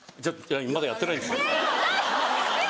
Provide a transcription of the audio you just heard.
まだやってないですよ。